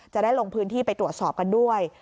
จะได้ลงพื้นที่ไปตรวจสอบกันด้วย